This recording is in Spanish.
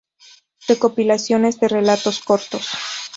Recopilaciones de relatos cortos